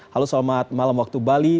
halo selamat malam waktu bali